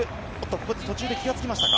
ここで途中で気がつきましたか。